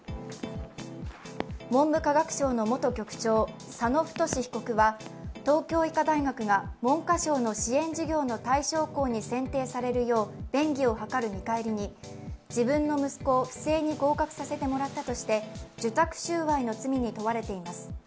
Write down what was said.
文部科学省の元局長、佐野太被告は東京医科大学が文科省の支援事業の対象校に選定されるよう便宜を図る見返りに、自分の息子を不正に合格させてもらったとして受託収賄の罪に問われています。